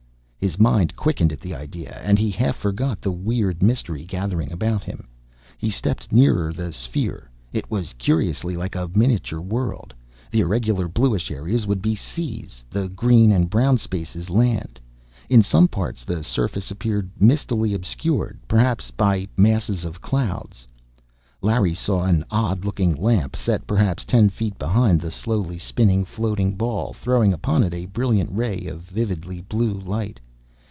His mind quickened at the idea, and he half forgot the weird mystery gathering about him. He stepped nearer the sphere. It was curiously like a miniature world. The irregular bluish areas would be seas; the green and the brown spaces land. In some parts, the surface appeared mistily obscured perhaps, by masses of cloud. Larry saw an odd looking lamp, set perhaps ten feet behind the slowly spinning, floating ball, throwing upon it a bright ray of vividly blue light.